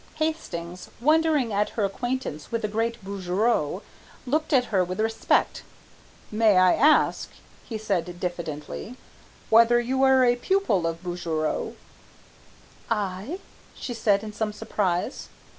Hastings, wondering at her acquaintance with the great Bouguereau, looked at her with respect. "May I ask," he said diffidently, "whether you are a pupil of Bouguereau?" "I?" she said in some surprise.